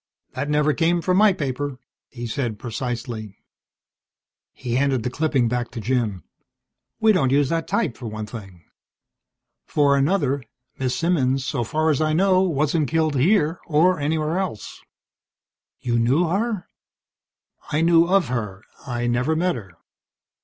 "That never came from my paper," he said precisely. He handed the clipping back to Jim. "We don't use that type, for one thing. For another, Miss Simmons, so far as I know, wasn't killed here or anywhere else." "You knew her?" "I knew of her. I never met her."